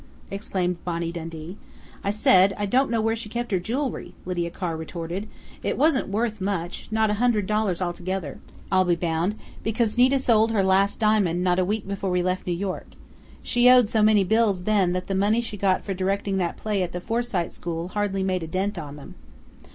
_" exclaimed Bonnie Dundee. "I said I don't know where she kept her jewelry," Lydia Carr retorted. "It wasn't worth much not a hundred dollars altogether, I'll be bound, because Nita sold her last diamond not a week before we left New York. She owed so many bills then that the money she got for directing that play at the Forsyte School hardly made a dent on them."